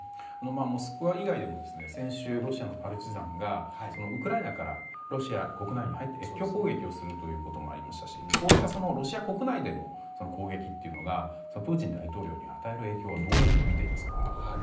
モスクワ以外でも先週、ロシアのパルチザンがウクライナからロシア国内に入って越境攻撃をするということもありましたしこうしたロシア国内での攻撃というのがプーチン大統領に与える影響はどうみていますか？